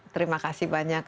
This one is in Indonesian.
terima kasih banyak